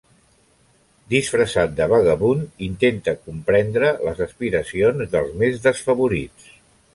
Disfressat de vagabund, intenta comprendre les aspiracions dels més desfavorits.